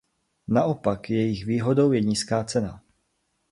Naopak jejich výhodou je nízká cena.